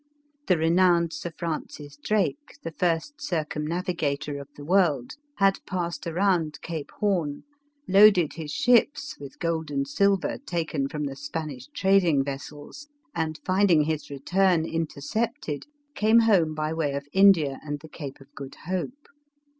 The renowned Sir Francis Drake, the first circumnavigator of the world, had passed around Cape Horn, loaded his ships with gold and sil ver, taken from the Spanish trading vessels, and find ing his return intercepted, came home by way of India and the Cape of Good Hope.